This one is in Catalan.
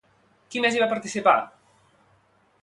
Qui més hi va participar?